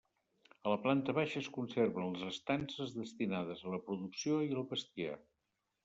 A la planta baixa es conserven les estances destinades a la producció i al bestiar.